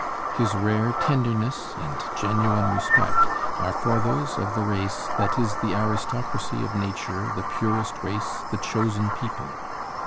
His rare tenderness and genuine respect are for those of the race "that is the aristocracy of nature, the purest race, the chosen people."